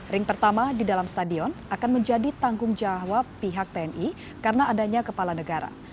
ring pertama di dalam stadion akan menjadi tanggung jawab pihak tni karena adanya kepala negara